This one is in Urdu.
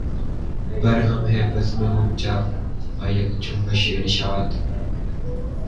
برہم ہے بزمِ غنچہ بہ یک جنبشِ نشاط